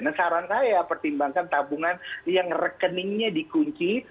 karena kita orang kaya pertimbangkan tabungan yang rekeningnya dikunci